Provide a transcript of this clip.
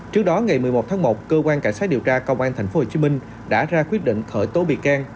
trước đó ngày một mươi một tháng một cơ quan cảnh sát điều tra công an tp hcm đã ra quyết định khởi tố bị can